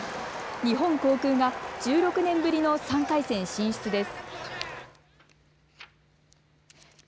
日本航空が１６年ぶりの３回戦進出です。